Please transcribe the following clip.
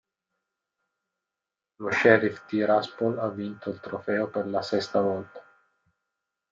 Lo Sheriff Tiraspol ha vinto il trofeo per la sesta volta.